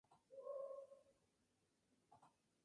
Asistió y se graduó en la "Dae Myung Girls High School".